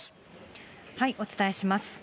お伝えします。